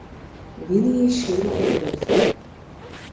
Він її щиро полюбив.